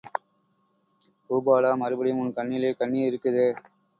பூபாலா, மறுபடியும் உன் கண்ணிலே கண்ணீர் இருக்குதே?